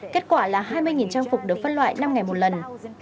kết quả là hai mươi trang phục được phân loại năm ngày một lần